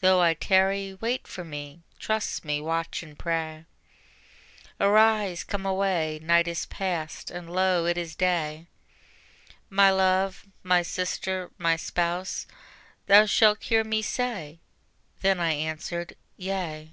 Though I tarry, wait for Me, trust Me, watch and pray. Arise, come away, night is past, and lo it is day, My love, My sister, My spouse, thou shalt hear Me say. Then I answered: Yea.